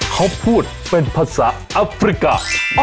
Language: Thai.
เขาพูดเป็นภาษาอัฟริกา